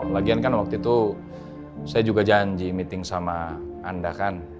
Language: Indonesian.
lagian kan waktu itu saya juga janji meeting sama anda kan